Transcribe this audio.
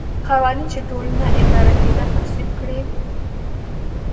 قوانین چې ټولنه اداره کېده تصویب کړي.